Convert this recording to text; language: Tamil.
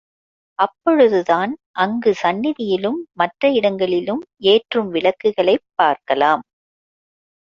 அப்பொழுதுதான் அங்கு சந்நிதியிலும் மற்ற இடங்களிலும் ஏற்றும் விளக்குகளைப் பார்க்கலாம்.